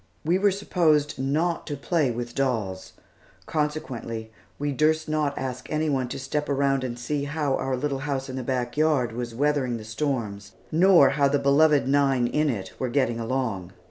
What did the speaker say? We were supposed not to play with dolls, consequently we durst not ask any one to step around and see how our little house in the back yard was weathering the storms, nor how the beloved nine in it were getting along.